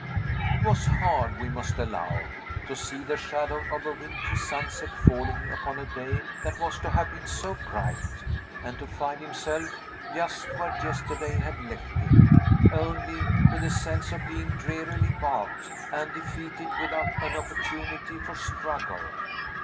It was hard, we must allow, to see the shadow of a wintry sunset falling upon a day that was to have been so bright, and to find himself just where yesterday had left him, only with a sense of being drearily balked, and defeated without an opportunity for struggle.